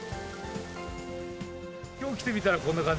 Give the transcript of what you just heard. きょう来てみたらこんな感じ？